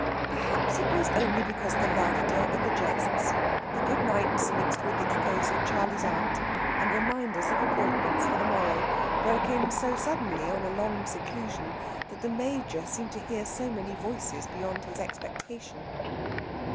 Perhaps it was only because the laughter and the jests, the good nights mixed with echoes of "Charley's Aunt," and reminders of appointments for the morrow, broke in so suddenly on a long seclusion that the Major seemed to hear so many voices beyond his expectation.